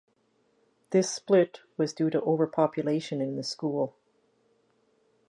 This split was due to over-population in the school.